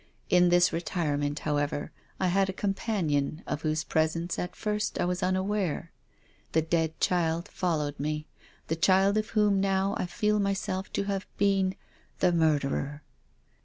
In this retirement, however, I had a companion of whose presence at first I was unaware. The dead child followed me, the child of whom now I feel myself to have been the murderer."